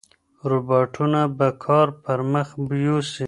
روباټونه به کار پرمخ یوسي.